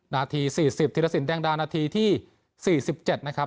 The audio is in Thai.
นาทีสี่สิบธีรัสินแดงดากนาทีที่สี่สิบเจ็ดนะครับ